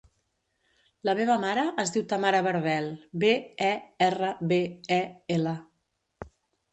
La meva mare es diu Tamara Berbel: be, e, erra, be, e, ela.